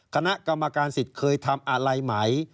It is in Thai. คณะกรรมการสิทธิ์เคยทำอะไรไหม